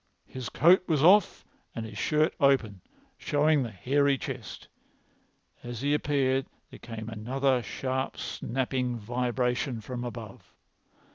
His coat was off and his shirt open, showing the hairy chest. As he appeared there came another sharp snapping vibration from above.